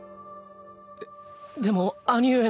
ででも兄上の。